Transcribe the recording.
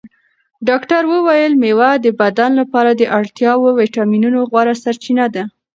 ډاکتر وویل مېوه د بدن لپاره د اړتیا وړ ویټامینونو غوره سرچینه ده.